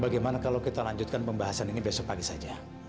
bagaimana kalau kita lanjutkan pembahasan ini besok pagi saja